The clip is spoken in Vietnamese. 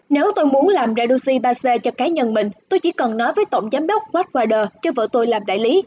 nếu tôi muốn làm reduxi ba c cho cá nhân mình tôi chỉ cần nói với tổng giám đốc whitewater cho vợ tôi làm đại lý